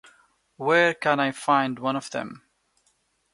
Where can I find one of them?